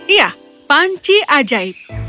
iya panci ajaib